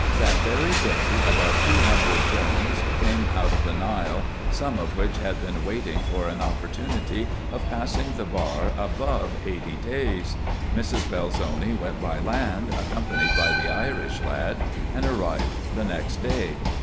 That very day, above two hundred djerms came out of the Nile, some of which had been waiting for an opportunity of passing the bar above eighty days. Mrs. Belzoni went by land, accompanied by the Irish lad, and arrived the next day.